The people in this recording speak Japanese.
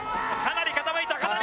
かなり傾いた！